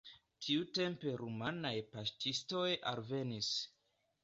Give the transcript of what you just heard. Tiutempe rumanaj paŝtistoj alvenis.